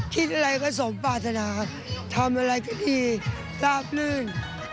คิดอะไรก็สมปรารถนาทำอะไรก็ดีทราบลื่น